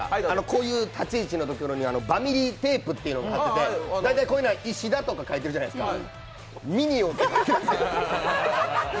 こういう立ち位置の所にバミリテープっていうのを貼っていて、大体こういうのは、石田とか書いてあるじゃないですか。